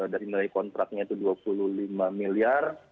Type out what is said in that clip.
dari nilai kontraknya itu dua puluh lima miliar